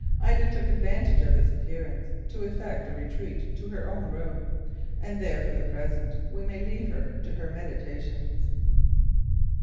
Ida took advantage of his appearance to effect a retreat to her own room, and there for the present we may leave her to her meditations.